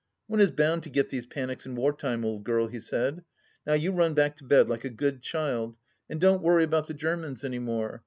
" One is bound to get these panics in war time, old girl !" he said. " Now you run back to bed like a good child, and don't worry about the Germans any more.